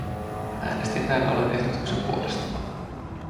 Äänestin näin ollen ehdotuksen puolesta.